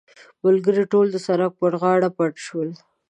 ملګري ټول د سړک پر غاړه پنډ شول.